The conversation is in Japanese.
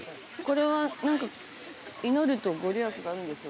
これは何か祈ると御利益があるんですよね？